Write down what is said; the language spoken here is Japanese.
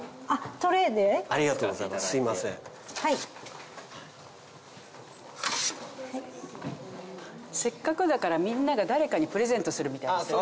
せっかくだからみんなが誰かにプレゼントするみたいな。